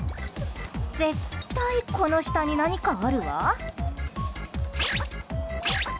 絶対この下に何かあるわ。